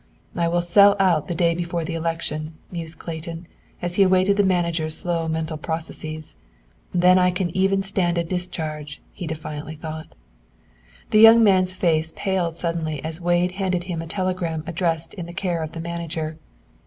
"I will sell out the day before the election," mused Clayton, as he awaited the manager's slow mental processes. "Then I can even stand a discharge," he defiantly thought. The young man's face paled suddenly as Wade handed him a telegram addressed in the care of the manager.